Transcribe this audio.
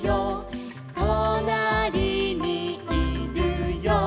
「となりにいるよ」